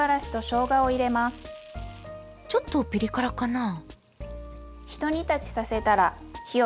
ちょっとピリ辛かな？